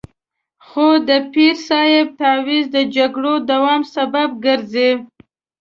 خو د پیر صاحب تعویض د جګړې دوام سبب کېږي.